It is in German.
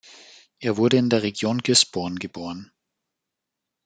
Er wurde in der Region Gisborne geboren.